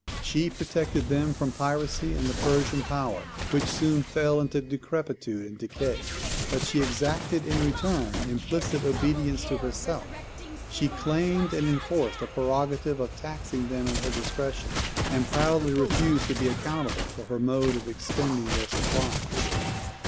She protected them from piracy and the Persian power, which soon fell into decrepitude and decay; but she exacted in return implicit obedience to herself. She claimed and enforced a prerogative of taxing them at her discretion; and proudly refused to be accountable for her mode of expending their supplies.